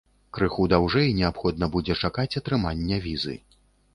Крыху даўжэй неабходна будзе чакаць атрымання візы.